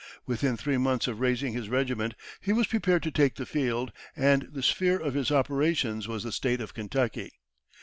Within three months of raising his regiment, he was prepared to take the field, and the sphere of his operations was the State of Kentucky.